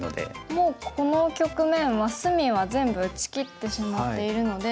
もうこの局面は隅は全部打ちきってしまっているので。